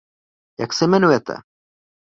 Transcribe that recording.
Jak se jmenujete?